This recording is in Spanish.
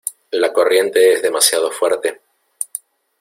la corriente es demasiado fuerte.